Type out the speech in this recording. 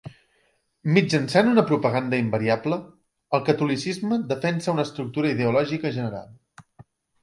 Mitjançant una propaganda invariable, el catolicisme defensa una estructura ideològica general.